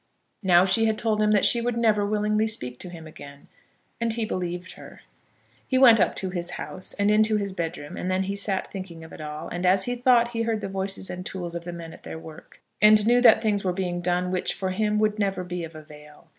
Now she had told him that she would never willingly speak to him again, and he believed her. He went up to his house, and into his bedroom, and then he sat thinking of it all. And as he thought he heard the voices and the tools of the men at their work; and knew that things were being done which, for him, would never be of avail.